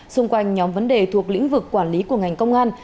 xung quanh nhóm vấn đề thuộc lĩnh vực quản lý của ngành công an